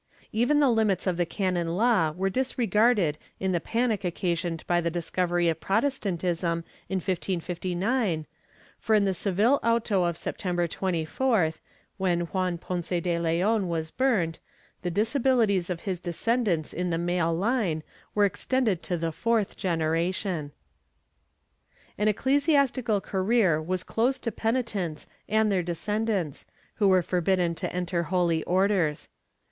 ^ Even the limits of the canon law were disregarded in the panic occasioned by the discovery of Protes tantism in 1559, for in the Seville auto of September 24th, when Juan Ponce de Leon was burnt, the disabilities of his descendants in the male line were extended to the fourth generation.^ An ecclesiastical career was closed to penitents and their descend ants, who were forbidden to enter holy orders.